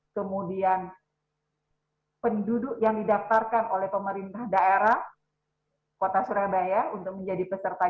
kemudian penduduk yang didaftarkan oleh pemerintah daerah kota surabaya untuk menjadi peserta